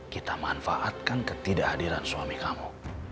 kita manfaatkan ketidakhadiran suami kamu